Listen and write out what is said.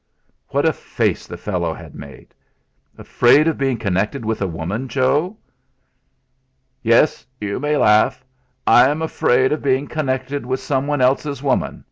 What a face the fellow had made! "Afraid of being connected with a woman, Joe?" "Yes, you may laugh I am afraid of being connected with someone else's woman.